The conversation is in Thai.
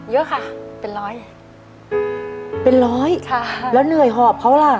เยอะค่ะเป็นร้อยเป็นร้อยค่ะแล้วเหนื่อยหอบเขาล่ะ